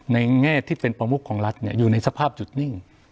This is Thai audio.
แง่ที่เป็นประมุขของรัฐอยู่ในสภาพจุดนิ่ง